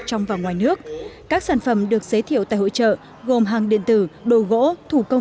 trong và ngoài nước các sản phẩm được giới thiệu tại hội trợ gồm hàng điện tử đồ gỗ thủ công